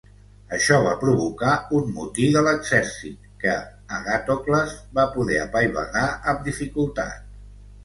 Això va provocar un motí de l'exèrcit que Agàtocles va poder apaivagar amb dificultat.